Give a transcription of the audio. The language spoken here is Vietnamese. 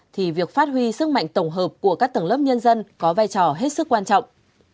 thì việc phát huy sức mạnh tổng hợp của các tầng lớp nhân dân có vai trò hết sức quan trọng